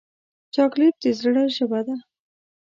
چاکلېټ د زړه ژبه ده.